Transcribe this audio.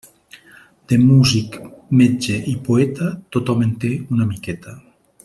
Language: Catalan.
De músic, metge i poeta, tothom en té una miqueta.